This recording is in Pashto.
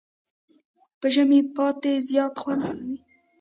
په ژمي پاتی زیات خوند کوي.